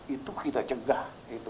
itu kita cegah